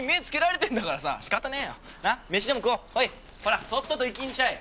ほらとっとと行きんしゃい。